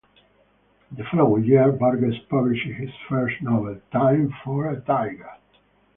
The following year Burgess published his first novel, "Time for a Tiger".